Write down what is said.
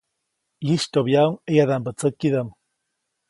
ʼYistyoʼbyaʼuŋ ʼeyadaʼmbä tsäkidaʼm.